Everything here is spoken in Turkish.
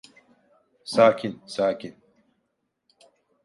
Sakin, sakin!